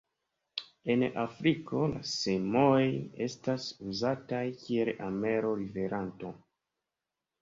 En Afriko la semoj estas uzataj kiel amelo-liveranto.